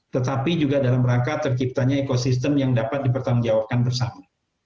tetapi juga dalam rangka terciptanya ekosistem yang dapat dipertanggungjawabkan bersama